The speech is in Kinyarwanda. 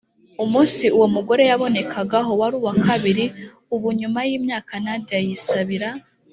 umunsi uwo umugore yabonekagaho wari ku wa kabiri Ubu nyuma y imyaka Nadia yisabira